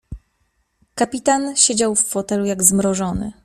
"Kapitan siedział w fotelu, jak zmrożony."